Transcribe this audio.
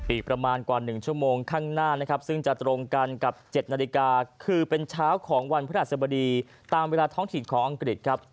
อีกประมาณกว่า๑ชั่วโมงข้างหน้านะครับซึ่งจะตรงกันกับ๗นาฬิกาคือเป็นเช้าของวันพระหัสบดีตามเวลาท้องถิ่นของอังกฤษครับ